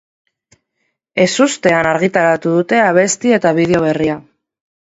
Ezustean argitaratu dute abesti eta bideo berria.